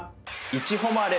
いちほまれ？